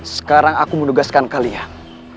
sekarang aku mendugaskan kalian